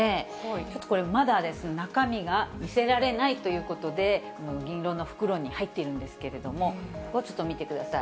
ちょっとこれ、まだ中身が見せられないということで、銀色の袋に入っているんですけれども、ここをちょっと見てください。